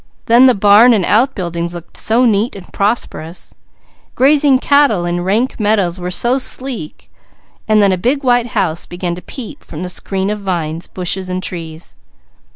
Then the barn and outbuildings looked so neat and prosperous; grazing cattle in rank meadows were so sleek; then a big white house began to peep from the screen of vines, bushes and trees.